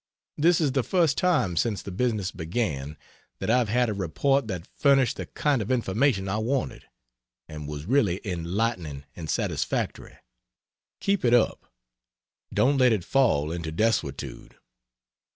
This is the first time since the business began that I have had a report that furnished the kind of information I wanted, and was really enlightening and satisfactory. Keep it up. Don't let it fall into desuetude.